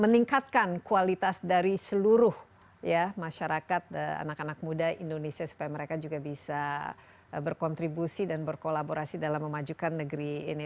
meningkatkan kualitas dari seluruh masyarakat anak anak muda indonesia supaya mereka juga bisa berkontribusi dan berkolaborasi dalam memajukan negeri ini